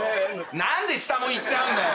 何で下もいっちゃうんだよ？